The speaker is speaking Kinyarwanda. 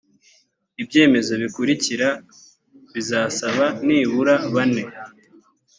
ibyemezo bikurikira bizasaba nibura bane